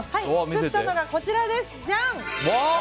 作ったのが、こちらです。